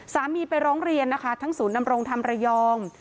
สามีไปร้องเรียนทั้งศูนย์นำโรงธรรมระยอง